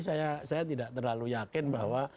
saya tidak terlalu yakin bahwa